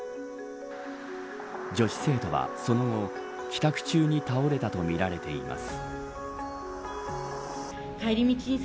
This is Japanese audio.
女子生徒はその後帰宅中に倒れたとみられています。